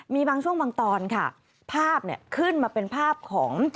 มีบางช่วงบางตอนภาพขึ้นมาเป็นภาพของ